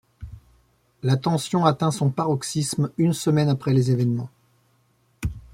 La tension atteint son paroxysme une semaine après les événements.